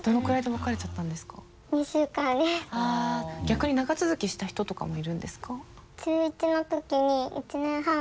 逆に長続きした人とかもいるんですか？